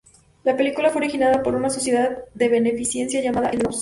La película fue originada por una sociedad de beneficencia llamada "Entre-Nous".